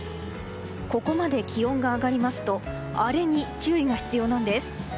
ここまで気温が上がりますとあれに注意が必要なんです。